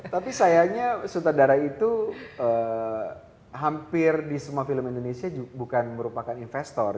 tapi sayangnya sutradara itu hampir di semua film indonesia bukan merupakan investor